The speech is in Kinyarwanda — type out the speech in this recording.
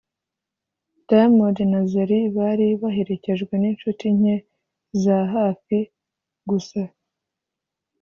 Diamond na Zari bari baherekejwe n’inshuti nke za hafi gusa